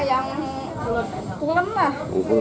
yang ukuran lah